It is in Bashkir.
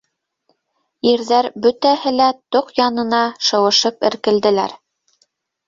Ирҙәр бөтәһе лә тоҡ янына шыуышып эркелделәр: